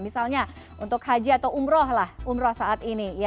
misalnya untuk haji atau umroh saat ini